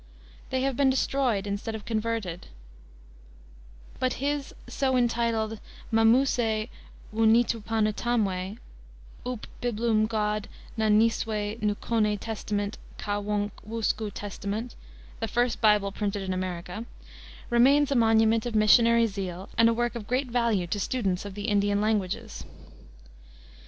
They have been destroyed instead of converted; but his (so entitled) Mamusse Wunneetupanatamwe Up Biblum God naneeswe Nukkone Testament kah wonk Wusku Testament the first Bible printed in America remains a monument of missionary zeal and a work of great value to students of the Indian languages.